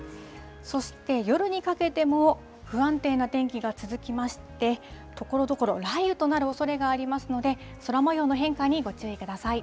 そして夜にかけても、不安定な天気が続きまして、ところどころ雷雨となるおそれがありますので、空もようの変化にご注意ください。